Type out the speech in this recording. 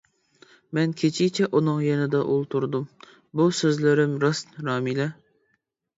مەن كېچىچە ئۇنىڭ يېنىدا ئولتۇردۇم، بۇ سۆزلىرىم راست، رامىلە.